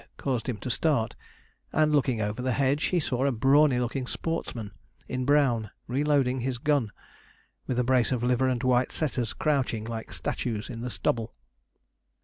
caused him to start, and, looking over the hedge, he saw a brawny looking sportsman in brown reloading his gun, with a brace of liver and white setters crouching like statues in the stubble.